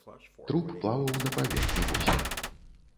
Труп плаваў на паверхні возера.